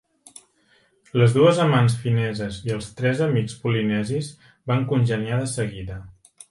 Les dues amants fineses i els tres amics polinesis van congeniar de seguida.